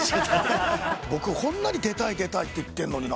僕こんなに出たい出たいって言ってんのにな。